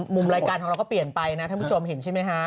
มุมรายการของเราก็เปลี่ยนไปนะท่านผู้ชมเห็นใช่ไหมฮะ